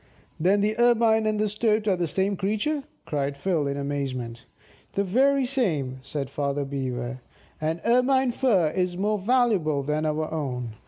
"Then the Ermine and the Stoat are the same creature?" cried Phil in amazement. "The very same," said Father Beaver, "and Ermine fur is more valuable than our own.